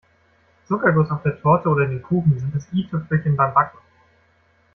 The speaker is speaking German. Zuckerguss auf der Torte oder den Kuchen sind das I-Tüpfelchen beim Backen.